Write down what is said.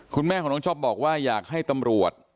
คุณแม่ของน้องช็อปบอกว่าอยากให้ตำรวจ